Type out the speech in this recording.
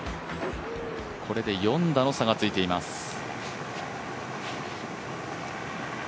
これで４打の差がついています。